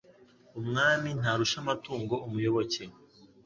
Umwami ntarusha amatungo umuyoboke.